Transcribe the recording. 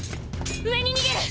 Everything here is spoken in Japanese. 上に逃げる！